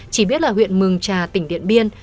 chỉ biết là huyện mường trà tỉnh điện biên